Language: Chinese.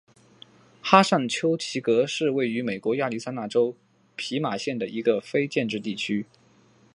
哈尚丘奇格是位于美国亚利桑那州皮马县的一个非建制地区。